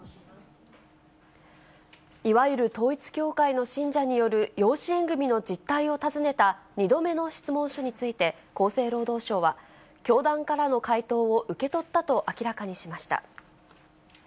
いわゆる統一教会の信者による養子縁組の実態を尋ねた２度目の質問書について、厚生労働省は、教団からの回答を受け取ったと明らかにしました。